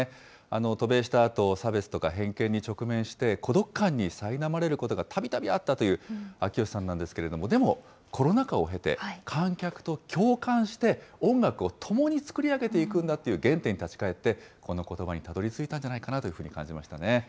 渡米したあと、差別とか偏見に直面して、孤独感にさいなまれることがたびたびあったという秋吉さんなんですけれども、でも、コロナ禍を経て、観客と共感して、音楽を共に作り上げていくんだという原点に立ち帰って、このことばにたどりついたんじゃないかなというふうに感じましたね。